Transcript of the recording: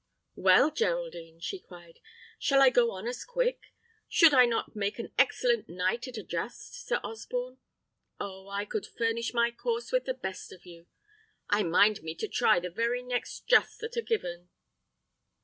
"Well, Geraldine," she cried, "shall I go on as quick? Should I not make an excellent knight at a just, Sir Osborne? Oh! I could furnish my course with the best of you. I mind me to try the very next justs that are given."